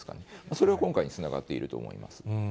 それが今回につながっていると思います。